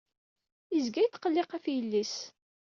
Yezga yetqelliq ɣef yelli-s.